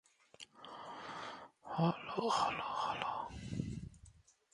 He obtained the rank of Colonel.